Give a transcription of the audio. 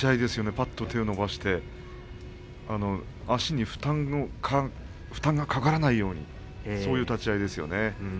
ぱっと手を伸ばして足に負担がかからないようにそういう立ち合いですよね。